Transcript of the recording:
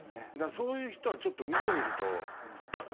そういう人はちょっと見てみると。